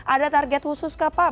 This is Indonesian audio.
ada target khusus kak pak